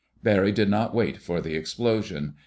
Barry did not wait for the explosion.